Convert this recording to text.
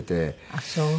あっそう。